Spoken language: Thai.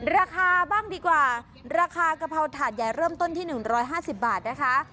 ราคาบ้างดีกว่าราคากะเพราถาดใหญ่เริ่มต้นที่๑๕๐บาทนะคะ